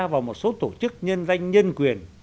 và một số tổ chức nhân danh nhân quyền